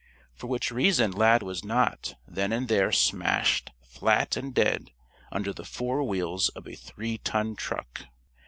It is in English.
For which reason Lad was not, then and there, smashed, flat and dead, under the fore wheels of a three ton truck.